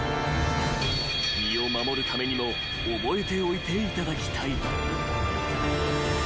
［身を守るためにも覚えておいていただきたい］